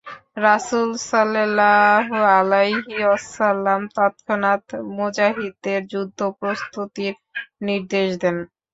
রাসূল সাল্লাল্লাহু আলাইহি ওয়াসাল্লাম তৎক্ষণাৎ মুজাহিদদের যুদ্ধ প্রস্তুতির নির্দেশ দেন।